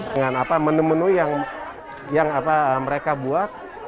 dengan menu menu yang mereka buat